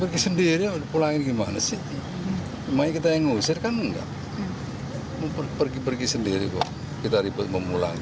kita sih kita yang mengusir kan enggak pergi pergi sendiri kok kita memulangin